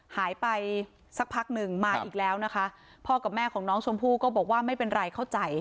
หายไปสักพักหนึ่งมาอีกแล้วนะคะพ่อกับแม่ของน้องชมพู่ก็บอกว่าไม่เป็นไรเข้าใจ